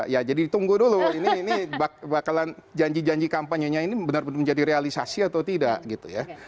ya jadi ditunggu dulu ini bakalan janji janji kampanyenya ini benar benar menjadi realisasi atau tidak gitu ya